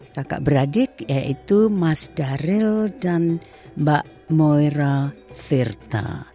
kakak beradik yaitu mas daril dan mbak moira thirta